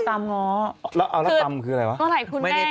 ตำทำงอ